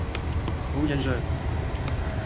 好正常